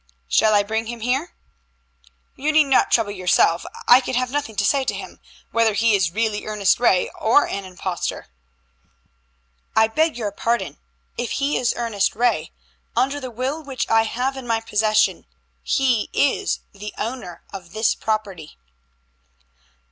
"Shall I bring him here?" "You need not trouble yourself. I can have nothing to say to him, whether he is really Ernest Ray, or an impostor." "I beg your pardon. If he is Ernest Ray, under the will which I have in my possession, he is the owner of this property."